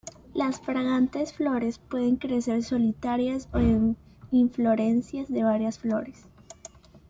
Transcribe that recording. Las fragantes flores pueden crecer solitarias o en inflorescencias de varias flores.